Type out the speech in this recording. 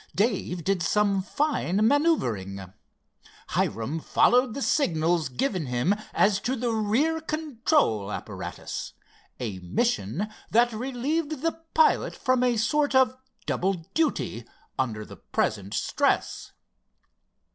Dave did some fine maneuvering. Hiram followed the signals given him as to the rear control apparatus, a mission that relieved the pilot from a sort of double duty under the present stress.